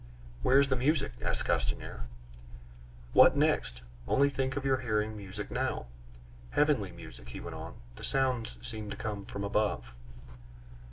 "Where is the music?" asked Castanier. "What next? Only think of your hearing music now!" "Heavenly music!" he went on. "The sounds seem to come from above."